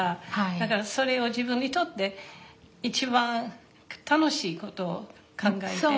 だからそれを自分にとって一番楽しいことを考えて。